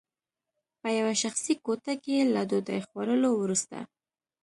په یوه شخصي کوټه کې له ډوډۍ خوړلو وروسته